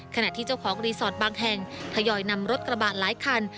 ขณะที่เจ้าของรีสอร์ทบางแห่งทยอยนำรถกระบะหลายคัน